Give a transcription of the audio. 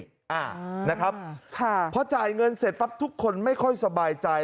อ่านะครับค่ะพอจ่ายเงินเสร็จปั๊บทุกคนไม่ค่อยสบายใจ